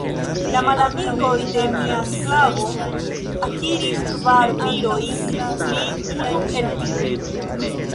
La malamikoj de mia sklavo akiris kvar virojn; li, unu el tiuj.